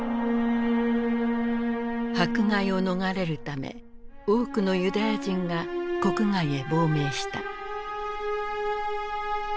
迫害を逃れるため多くのユダヤ人が国外へ亡命した。